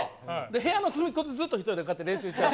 部屋の隅っこでずっと１人でこうやって練習してて。